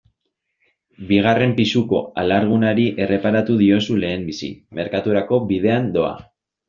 Bigarren pisuko alargunari erreparatu diozu lehenbizi, merkaturako bidean doa.